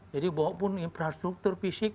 jadi walaupun infrastruktur fisik